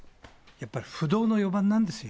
やっぱり不動の４番なんですよ。